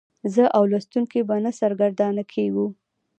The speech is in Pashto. زه او لوستونکی به نه سرګردانه کیږو.